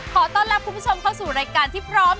ขอต้อนรับคุณผู้ชมเข้าสู่รายการที่พร้อม